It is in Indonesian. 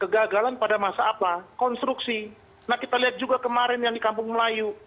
kegagalan pada masa apa konstruksi nah kita lihat juga kemarin yang di kampung melayu